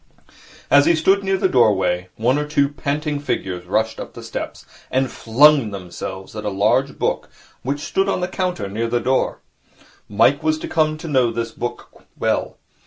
As he stood near the doorway, one or two panting figures rushed up the steps, and flung themselves at a large book which stood on the counter near the door. Mike was to come to know this book well.